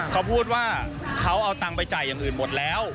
เขาพูดว่าเขาเอาตังค์ไปจ่ายอย่างอื่นหมดแล้ว